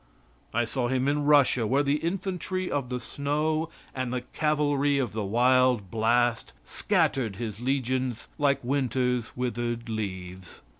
I saw him in Russia, where the infantry of the snow and the cavalry of the wild blast scattered his legions like Winter's withered leaves.